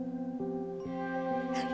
はい！